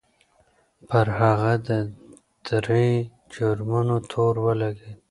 پر هغه د درې جرمونو تور ولګېد.